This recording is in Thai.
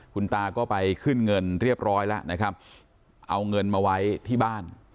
คุณตาก็ไปขึ้นเงินเรียบร้อยแล้วนะครับเอาเงินมาไว้ที่บ้าน